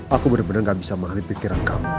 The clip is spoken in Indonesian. aku bener bener gak bisa mengalami pikiran kamu elsa